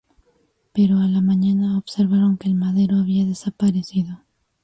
Pero a la mañana, observaron que el madero había desaparecido.